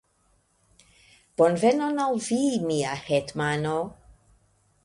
Bonvenon al vi, mia hetmano!